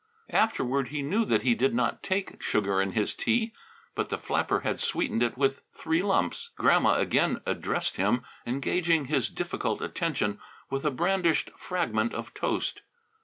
Afterward he knew that he did not take sugar in his tea, but the flapper had sweetened it with three lumps. Grandma again addressed him, engaging his difficult attention with a brandished fragment of toast.